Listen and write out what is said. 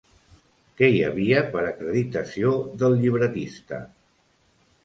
Què hi havia per acreditació del llibretista?